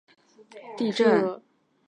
这次地震也称为奥尻岛地震。